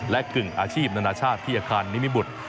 และกึ่งอาชีพนานาชาติที่อาคารนิมิบุตร